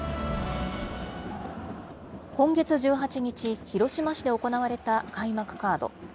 今月１８日、広島市で行われた開幕カード。